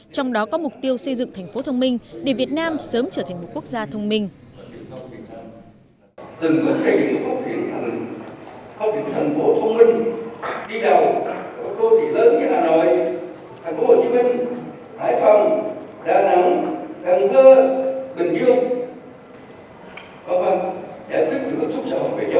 trong đó có mục tiêu xây dựng thành phố thông minh để việt nam sớm trở thành một quốc gia thông minh